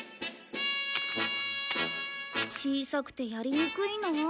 小さくてやりにくいなあ。